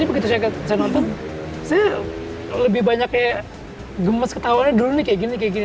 begitu saya nonton saya lebih banyak kayak gemes ketahuannya dulu nih kayak gini kayak gini